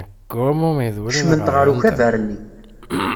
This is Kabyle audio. Kecment ɣer ukabar-nni.